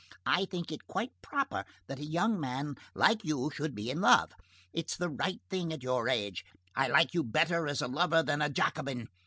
I think it quite proper that a young man like you should be in love. It's the right thing at your age. I like you better as a lover than as a Jacobin.